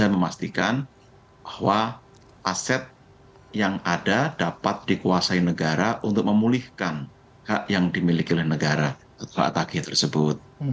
memastikan bahwa aset yang ada dapat dikuasai negara untuk memulihkan hak yang dimiliki oleh negara setelah tagih tersebut